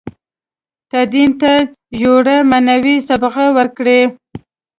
تدین ته ژوره معنوي صبغه ورکړي.